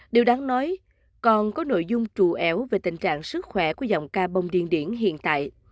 điều đáng nói còn có nội dung trù ảo về tình trạng sức khỏe của giọng ca bông điền hiện tại